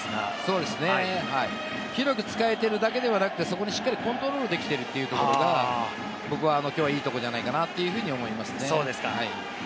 そうですね、広く使えてるだけではなくて、しっかりとそこにコントロールできているというところが、きょうは僕は、いいところじゃないかなと思いますね。